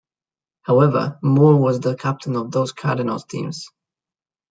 However, Moore was the captain of those Cardinals teams.